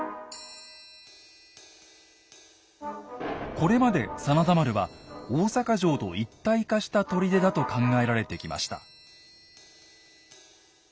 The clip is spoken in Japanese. これまで真田丸は大坂城と一体化した砦だと考えられてきました。